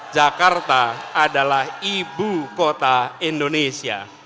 jakarta adalah ibu kota indonesia